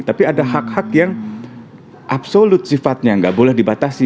tapi ada hak hak yang absolut sifatnya nggak boleh dibatasi